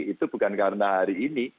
itu bukan karena hari ini